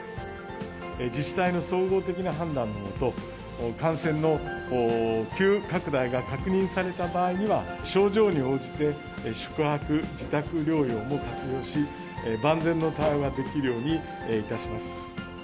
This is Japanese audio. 自治体の総合的な判断のもと、感染の急拡大が確認された場合には、症状に応じて、宿泊、自宅療養も活用し、万全の対応ができるようにいたします。